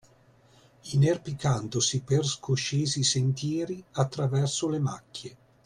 Inerpicandosi per scoscesi sentieri, attraverso le macchie